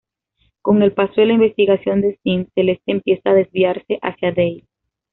Con el paso de la investigación de Sean, Celeste empieza a desviarse hacia Dave.